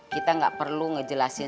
kita gak perlu ngejelasin